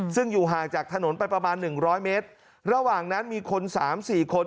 ซึ่งอยู่ห่างจากถนนไปประมาณหนึ่งร้อยเมตรระหว่างนั้นมีคนสามสี่คน